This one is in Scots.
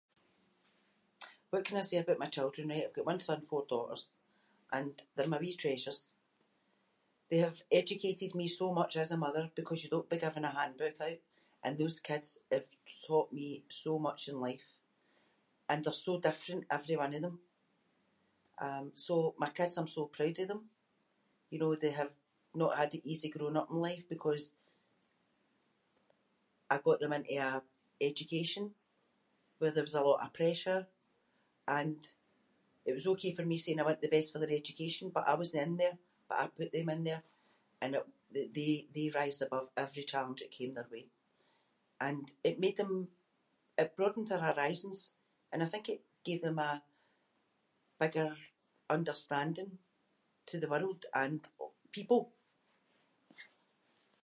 What can I say about my children, right, I’ve got one son, four daughters and they’re my wee treasures. They have educated me so much as a mother because you don’t be given a handbook out and those kids have taught me so much in life. And they’re so different every one of them. Um so my kids I’m so proud of them. You know, they have not had it easy growing up in life because I got them into an education where there was a lot of pressure and it was OK for me saying I want the best for their education but I wasnae in there but I put them in there and it- they- they rised above every challenge that came their way and it made them- it broadened their horizons and I think it gave them a bigger understanding to the world and people.